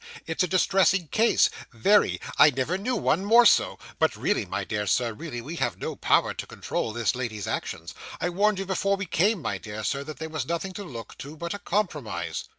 It's a distressing case very; I never knew one more so; but really, my dear sir, really we have no power to control this lady's actions. I warned you before we came, my dear sir, that there was nothing to look to but a compromise.